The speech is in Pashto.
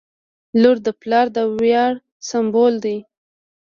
• لور د پلار د ویاړ سمبول وي.